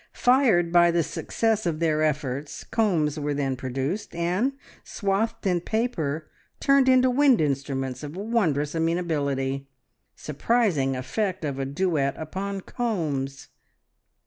Fired by the success of their efforts, combs were then produced, and, swathed in paper, turned into wind instruments of wondrous amenability. Surprising effect of a duet upon combs!